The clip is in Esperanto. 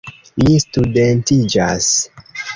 Mi studentiĝas!